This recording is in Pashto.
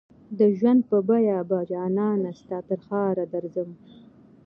د ژوند په بیه به جانانه ستا ترښاره درځم